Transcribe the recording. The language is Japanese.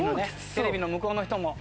テレビの向こうの人も。